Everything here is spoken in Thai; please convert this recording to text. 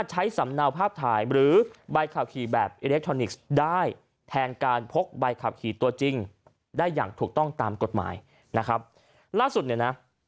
ให้เราพบใบคับขี่ตัวจริงได้อย่างถูกต้องตามกฎหมายล่าสุดเนี่ยนะ